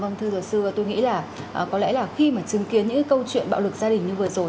vâng thưa luật sư tôi nghĩ là có lẽ là khi mà chứng kiến những câu chuyện bạo lực gia đình như vừa rồi